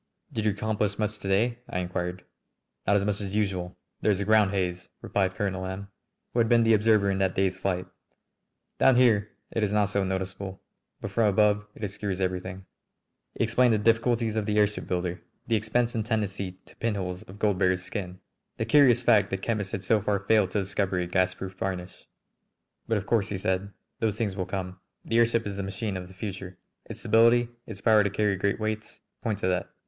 "Did you accomplish much to day?" I inquired. "Not as much as usual. There is a ground haze," replied Colonel M , who had been the observer in that day's flight. "Down here it is not so noticeable, but from above it obscures everything." He explained the difficulties of the airship builder, the expense and tendency to "pinholes" of gold beaters' skin, the curious fact that chemists had so far failed to discover a gasproof varnish. "But of course," he said, "those things will come. The airship is the machine of the future. Its stability, its power to carry great weights, point to that.